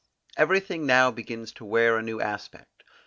Everything now begins to wear a new aspect.